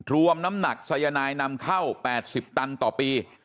น้ำหนักสายนายนำเข้า๘๐ตันต่อปี